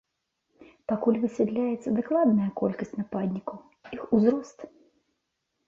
Пакуль высвятляецца дакладная колькасць нападнікаў, іх узрост.